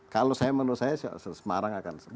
kalau menurut saya semarang akan lebih efektif